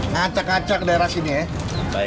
ngacak acak daerah sini ya